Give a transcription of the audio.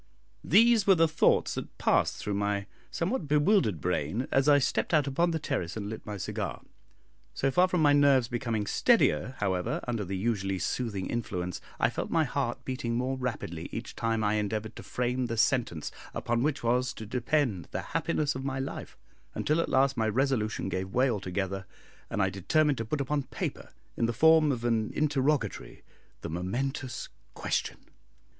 These were the thoughts that passed through my somewhat bewildered brain, as I stepped out upon the terrace and lit my cigar. So far from my nerves becoming steadier, however, under the usually soothing influence, I felt my heart beating more rapidly each time I endeavoured to frame the sentence upon which was to depend the happiness of my life, until at last my resolution gave way altogether, and I determined to put upon paper, in the form of an interrogatory, the momentous question.